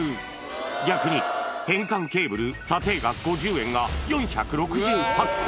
逆に変換ケーブル、査定額５０円が４６８個。